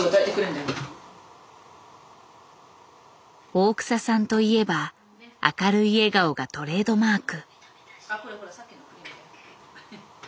大草さんといえば明るい笑顔がトレードマーク。